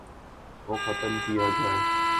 وہ ختم کیا جائے۔